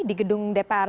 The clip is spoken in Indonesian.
di gedung dpr